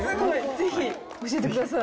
ぜひ教えてください。